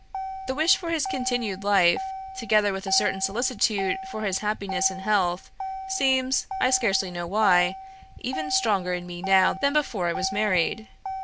The wish for his continued life, together with a certain solicitude for his happiness and health, seems, I scarcely know why, even stronger in me now than before I was married.